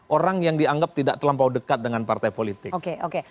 orang yang dianggap tidak terlampau dekat dengan partai politik